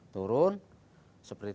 turun seperti ini